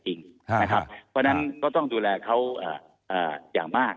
เพราะฉะนั้นก็ต้องดูแลเขาอย่างมาก